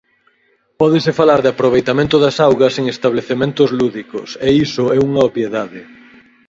Pódese falar de aproveitamento das augas en establecementos lúdicos, e iso é unha obviedade.